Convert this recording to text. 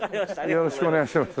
よろしくお願いします。